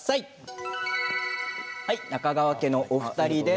中川家の２人です。